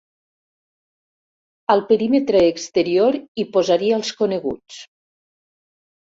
Al perímetre exterior hi posaria els coneguts.